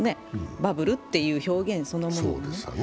バブルという表現そのものが。